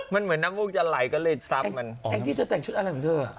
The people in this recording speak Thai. มันเหมือนน้ำมูกจะไหลก็เลยซับมันอ๋อแองจี้เธอแต่งชุดอะไรของเธออ่ะ